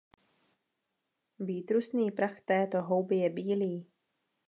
Výtrusný prach této houby je bílý.